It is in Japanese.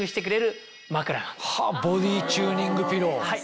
ボディチューニングピロー。